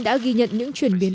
đã ghi nhận những chuyển biến